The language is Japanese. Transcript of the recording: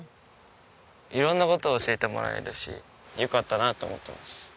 色んな事を教えてもらえるしよかったなと思ってます。